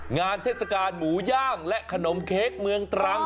เทศกาลหมูย่างและขนมเค้กเมืองตรัง